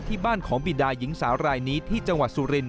ที่บ้านของบิดาหญิงสาวรายนี้ที่จังหวัดสุรินท